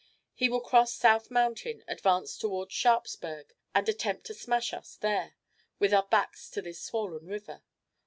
He will cross South Mountain, advance toward Sharpsburg, and attempt to smash us here, with our backs to this swollen river.